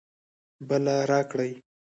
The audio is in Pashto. بله راکړئ